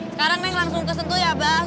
sekarang neng langsung kesentuh ya mbak